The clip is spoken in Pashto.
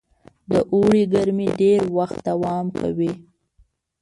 د اوړي ګرمۍ ډېر وخت دوام کوي.